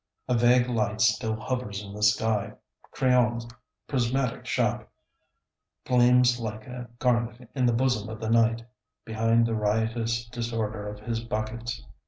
A vague light still hovers in the sky. Crillon's prismatic shop gleams like a garnet in the bosom of the night, behind the riotous disorder of his buckets.